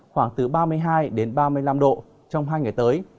khoảng từ ba mươi hai đến ba mươi năm độ trong hai ngày tới